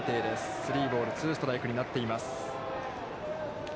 スリーボール、ツーストライクになっています。